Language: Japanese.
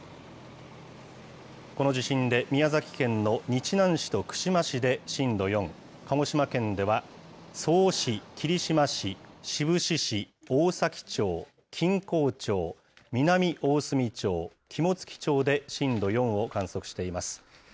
この地震で、宮崎県の日南市と串間市で震度４、鹿児島県では曽於市、霧島市、志布志市、大崎町、錦江町、南大隅町、肝付町で震度４を観測しています。